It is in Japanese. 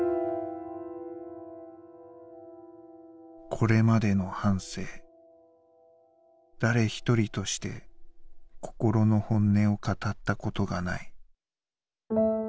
「これまでの半生誰ひとりとして心の本音を語ったことがない」。